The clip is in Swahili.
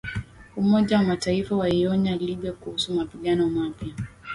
Umoja wa Mataifa waionya Libya kuhusu mapigano mapya.